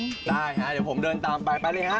ได้ฮะเดี๋ยวผมเดินตามไปไปเลยฮะ